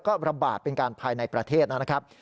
ก็ระบาดเป็นการภายในประเทศนะครับ